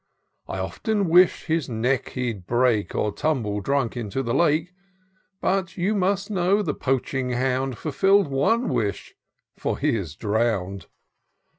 I often wish'd his neck he'd break. Or tumble drunk into the Lake ; So, you must know the poaching hound FulfiD'd one wish — ^for he is drown'd.